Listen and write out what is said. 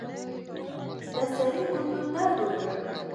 د سړي ګوتو درد وکړ.